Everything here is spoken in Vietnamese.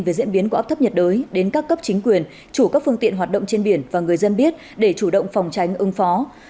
về diễn biến của áp thấp nhiệt đới đến các cấp chính quyền chủ các phương tiện hoạt động trên biển và người dân biết để chủ động phòng tránh ưng phó